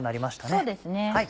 そうですね。